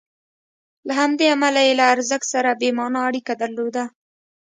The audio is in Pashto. له همدې امله یې له ارزښت سره بې معنا اړیکه درلوده.